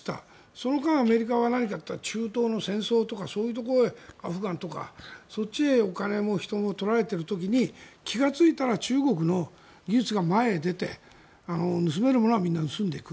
その間、アメリカは何かというと中東の戦争とかそういうところへ、アフガンとかそっちへお金も人も取られている時に気がついたら中国の技術が前へ出て盗めるものはみんな盗んでいく。